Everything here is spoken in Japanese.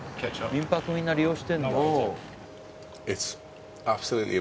民泊みんな利用してるんだ。